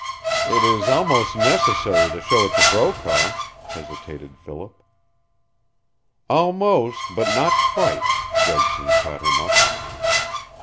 "It is almost necessary to show it to Brokaw," hesitated Philip. "Almost but not quite," Gregson caught him up.